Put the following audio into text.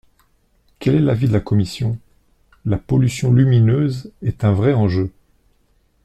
Quel est l’avis de la commission ? La pollution lumineuse est un vrai enjeu.